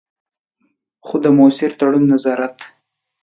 خو د مؤثر تړون، نظارت.